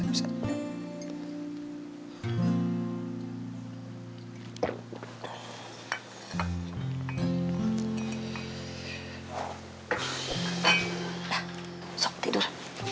nah sok tidur